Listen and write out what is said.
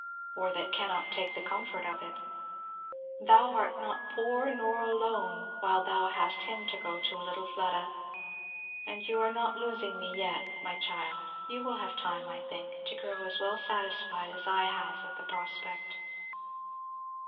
"Or that cannot take the comfort of it. Thou art not poor nor alone while thou hast him to go to, little Fleda. And you are not losing me yet, my child; you will have time, I think, to grow as well satisfied as I with the prospect."